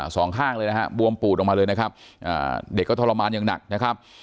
สองข้างเลยนะฮะบวมปูดออกมาเลยนะครับอ่าเด็กก็ทรมานอย่างหนักนะครับ